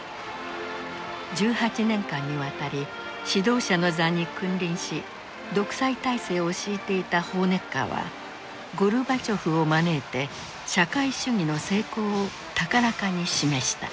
１８年間にわたり指導者の座に君臨し独裁体制を敷いていたホーネッカーはゴルバチョフを招いて社会主義の成功を高らかに示した。